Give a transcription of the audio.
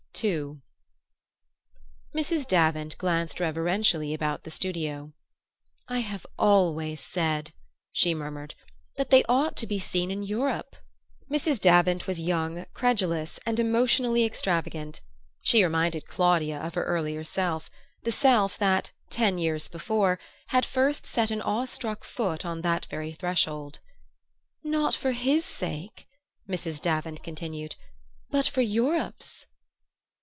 II Mrs. Davant glanced reverentially about the studio. "I have always said," she murmured, "that they ought to be seen in Europe." Mrs. Davant was young, credulous and emotionally extravagant: she reminded Claudia of her earlier self the self that, ten years before, had first set an awestruck foot on that very threshold. "Not for his sake," Mrs. Davant continued, "but for Europe's."